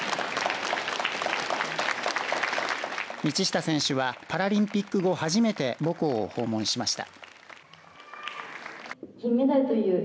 道下選手はパラリンピック後初めて母校を訪問しました。